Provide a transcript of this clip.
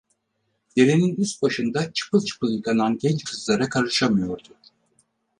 Derenin üst başında çıpıl çıpıl yıkanan genç kızlara karışamıyordu.